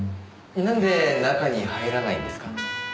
なんで中に入らないんですか？